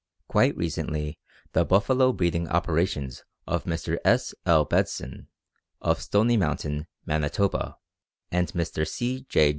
] Quite recently the buffalo breeding operations of Mr. S. L. Bedson, of Stony Mountain, Manitoba, and Mr. C. J.